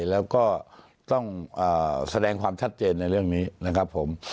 แล้วก็ต้องแสดงความชัดเจนในเรื่องนี้นะครับผม